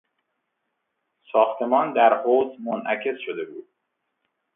ساختمان در حوض منعکس شده بود.